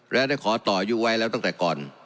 และได้ขอต่ออายุไว้แล้วตั้งแต่ก่อน